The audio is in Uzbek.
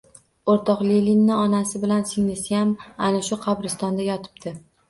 O’rtoq Leninni onasi bilan singlisiyam ana shu qabristonda yotibdi.